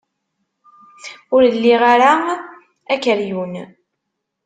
Ur liɣ ara akeryun.